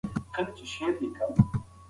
موږ باید د خپلو غرونو طبیعي بڼه وساتو.